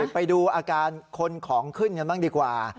ไปดูอาการคนของขึ้นกันบ้างดีกว่า